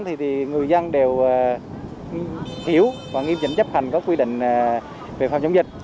thì người dân đều hiểu và nghiêm chỉnh chấp hành các quy định về phòng chống dịch